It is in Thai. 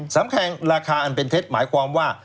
สำคัญราคาอันเป็นเท็จหมายความว่า